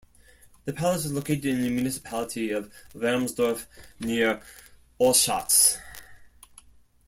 The palace is located in the municipality of Wermsdorf near Oschatz.